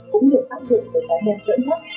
cũng được áp dụng từ các nền dẫn dắt